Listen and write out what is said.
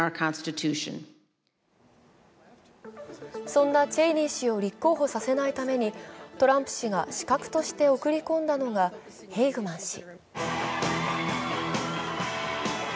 そんなチェイニー氏を立候補させないためにトランプ氏が刺客として送り込んだのがヘイグマン氏。